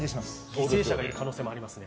犠牲者がいる可能性がありますね。